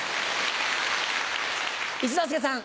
一之輔さん。